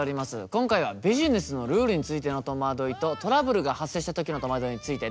今回はビジネスのルールについての戸惑いとトラブルが発生した時の戸惑いについてです。